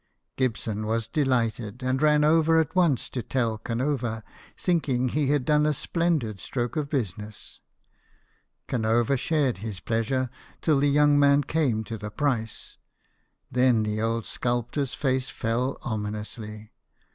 Gibson was delighted, and ran over at once to tell Canova, thinking he had done a splendid stroke of business. Canova shared his pleasure, till the young man came to the JOHN GIBSON, SCULPTOR. 77 price ; then the older sculptor's face fell omi nously.